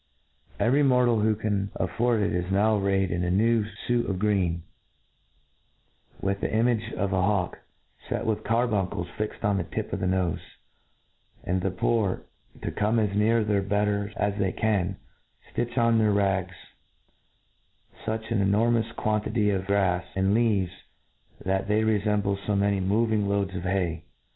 Every mortal who can afford it is now arrayed in a new fuit' of greeny, with the image of a hawk fet with carbuncles fixed on the tip of the nofe ; and the poor, to come as near their betters as they can, ftitch on their rags fuch an enormous quantity of gra& and leaves^ that they refemble fo many moving loads of hay.